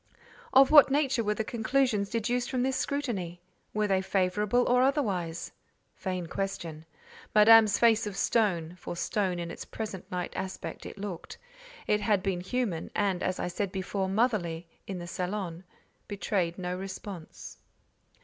Of what nature were the conclusions deduced from this scrutiny? Were they favourable or otherwise? Vain question. Madame's face of stone (for of stone in its present night aspect it looked: it had been human, and, as I said before, motherly, in the salon) betrayed no response.